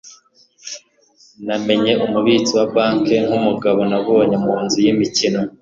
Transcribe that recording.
namenye umubitsi wa banki nkumugabo nabonye mu nzu yimikino